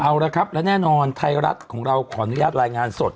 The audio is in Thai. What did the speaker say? เอาละครับและแน่นอนไทยรัฐของเราขออนุญาตรายงานสด